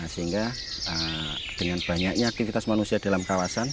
sehingga dengan banyaknya aktivitas manusia dalam kawasan